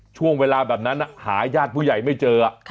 ช่วงเวลาแบบนั้นอ่ะหายญาติผู้ใหญ่ไม่เจออ่ะค่ะ